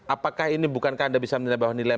apakah ini bukankah anda bisa menilai